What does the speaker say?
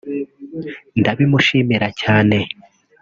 ndabimushimira cyane